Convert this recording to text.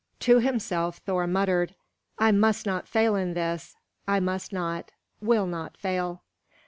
To himself Thor muttered, "I must not fail in this! I must not, will not fail!"